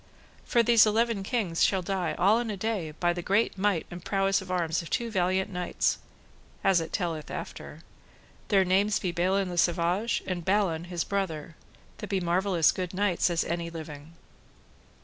For these eleven kings shall die all in a day, by the great might and prowess of arms of two valiant knights (as it telleth after); their names be Balin le Savage, and Balan, his brother, that be marvellous good knights as be any living.